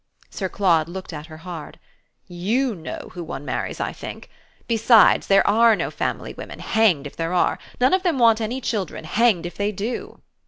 Sir Claude looked at her hard. "YOU know who one marries, I think. Besides, there ARE no family women hanged if there are! None of them want any children hanged if they do!"